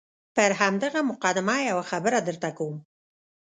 پر همدغه مقدمه یوه خبره درته کوم.